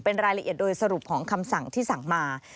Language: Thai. เป็นรายละเอียดโดยสรุปของคำสั่งที่สั่งมา